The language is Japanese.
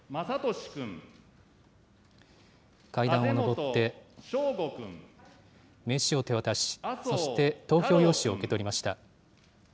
階段を上って、名刺を手渡し、そして、投票用紙を受け取りました。